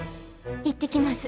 行ってきます。